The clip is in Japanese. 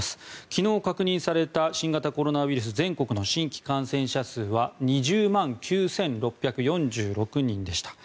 昨日確認された新型コロナウイルス全国の新規感染者数は２０万９６４６人でした。